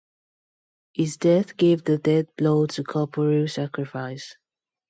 His death gave the death-blow to corporeal sacrifice.